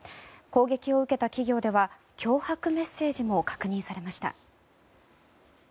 攻撃を受けた企業では脅迫メッセージも確認されました。